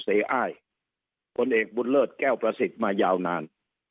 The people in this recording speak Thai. อ้ายผลเอกบุญเลิศแก้วประสิทธิ์มายาวนาน